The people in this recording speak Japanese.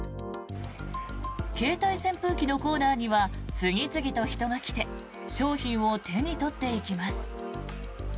携帯扇風機のコーナーには次々と人が来て商品を手に取っていきます。